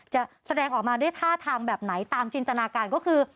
แสดงออกมาด้วยท่าทางแบบไหนตามจินตนาการก็คือ